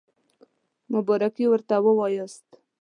مبارکي ورته ووایاست.